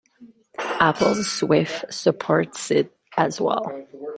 Apple's Swift supports it as well.